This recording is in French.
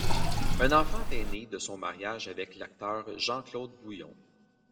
Un enfant est né de son mariage avec l'acteur Jean-Claude Bouillon.